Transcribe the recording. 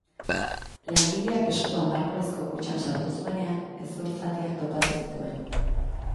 Langileak eskua marmolezko kutxan sartu zuenean, hezur zatiak topatu zituen.